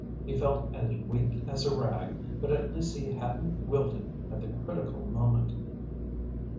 He felt as weak as a rag, but at least he hadn't wilted at the critical moment.